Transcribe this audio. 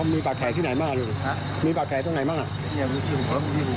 มีปากแขกที่ไหนบ้างลูกมีปากแขกตรงไหนบ้าง